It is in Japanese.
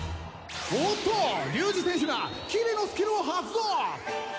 おっと龍二選手がキリのスキルを発動！